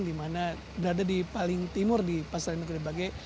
di mana berada di paling timur di pasar negeri bage